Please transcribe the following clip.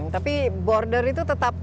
tapi border itu tetap